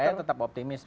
saya tetap optimis